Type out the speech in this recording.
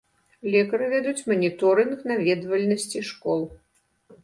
Лекары вядуць маніторынг наведвальнасці школ.